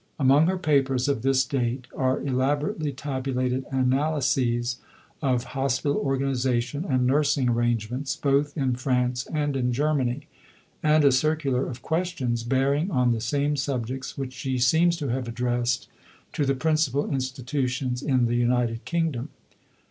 Among her papers of this date are elaborately tabulated analyses of hospital organization and nursing arrangements both in France and in Germany, and a circular of questions bearing on the same subjects which she seems to have addressed to the principal institutions in the United Kingdom.